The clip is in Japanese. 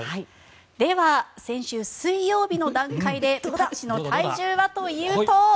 では、先週水曜日の段階でパッチの体重はというと。